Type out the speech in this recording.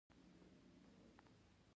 کله چې بنسټونه د ستونزې ریښه وي.